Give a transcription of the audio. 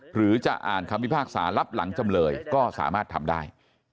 หรือจะอ่านคำพิพากษารับหลังจำเลยก็สามารถทำได้